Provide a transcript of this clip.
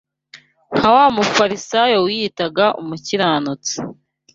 nka wa Mufarisayo wiyitaga umukiranutsi